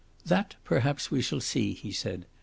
"That perhaps we shall see," he said.